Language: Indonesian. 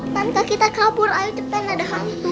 tanpa kita kabur ayo cepetan ada hantu